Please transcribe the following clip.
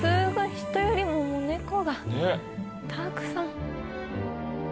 人よりもネコがたくさん。